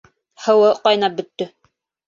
Һыуы ҡайнап бөттө